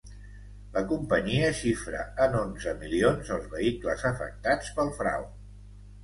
La companyia xifra en onze milions els vehicles afectats pel frau.